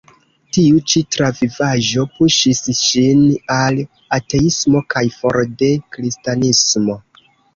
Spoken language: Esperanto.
Tiu ĉi travivaĵo puŝis ŝin al ateismo kaj for de Kristanismo.